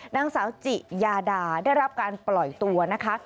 นางสาวจิยาดาได้รับการปล่อยตัวนะคะ